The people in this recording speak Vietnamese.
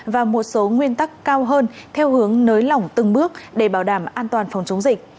và một số nguyên tắc cao hơn theo hướng nới lỏng từng bước để bảo đảm an toàn phòng chống dịch